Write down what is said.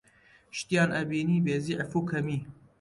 شتیان ئەبینی بێزیعف و کەمی